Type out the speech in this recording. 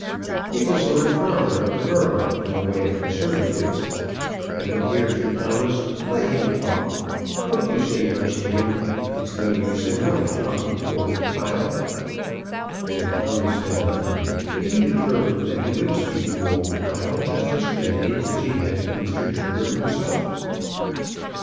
He's a sort of father of the borough in the way of Conservatives. And look here, Sir Thomas; let him talk. Don't you say much to him. It's no use in life talking to old Pile." Sir Thomas said nothing, but he determined that he would speak to old Pile just as freely as he had to Mr. Trigger himself.